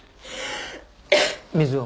水を。